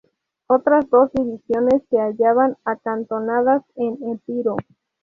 Otras dos divisiones se hallaban acantonadas en Epiro.